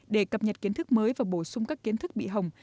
để cập nhật kiến thức mới và bổ sung các kiến thức bị hồng